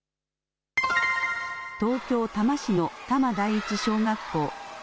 東京・多摩市の多摩第一小学校。